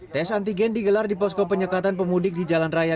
tes antigen digelar di posko penyekatan pemudik di jalan raya